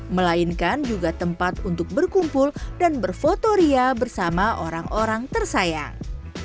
melainkan juga tempat untuk berkumpul dan berfoto ria bersama orang orang tersayang